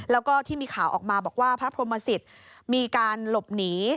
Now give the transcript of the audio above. แล้วก็ที่มีข่าวออกมาบอกว่าพระพรหมสิทธิ์มีการหลบหนี